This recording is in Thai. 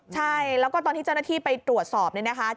ใช่แล้วก็ตอนที่เจ้าหน้าที่ไปตรวจสอบเนี่ยนะคะ